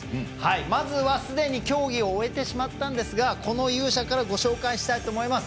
まずは、すでに競技を終えてしまったんですがこの勇者からご紹介したいと思います。